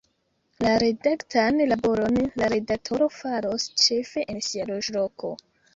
La redaktan laboron la redaktoro faros ĉefe en sia loĝloko.